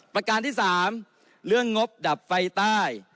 ประการที่๓เรื่องงบดับไฟใต้